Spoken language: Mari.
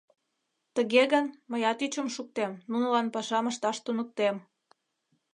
Тыге гын, мыят ӱчым шуктем, нунылан пашам ышташ туныктем!..